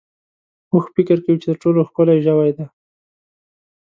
اوښ فکر کوي چې تر ټولو ښکلی ژوی دی.